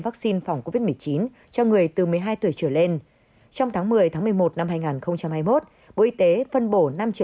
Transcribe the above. vắc xin phòng covid một mươi chín cho người từ một mươi hai tuổi trở lên trong tháng một mươi một mươi một hai nghìn hai mươi một bộ y tế phân bổ năm triệu